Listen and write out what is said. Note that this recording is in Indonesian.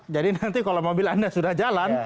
jadi nanti kalau mobil anda sudah jalan